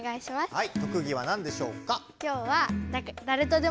⁉はい。